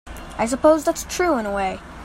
I suppose that's true in a way.